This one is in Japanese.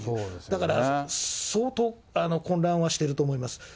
だから相当混乱はしてると思いま